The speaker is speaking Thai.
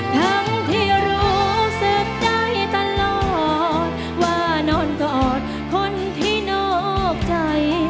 ทั้งที่รู้สึกใจตลอดว่านอนกอดคนที่นอกใจ